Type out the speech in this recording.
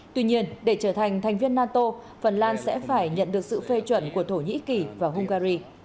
tuy nhiên để trở thành thành viên nato phần lan sẽ phải nhận được sự phê chuẩn của thổ nhĩ kỳ và hungary